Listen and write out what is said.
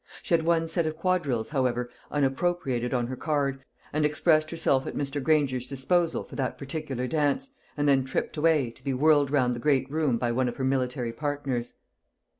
She had one set of quadrilles, however, unappropriated on her card, and expressed herself at Mr. Granger's disposal for that particular dance, and then tripped away, to be whirled round the great room by one of her military partners.